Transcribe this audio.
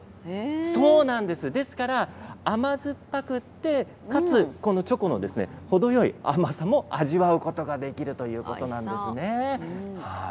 ですから甘酸っぱくてかつチョコの程よい甘さも味わうことができるということなんです。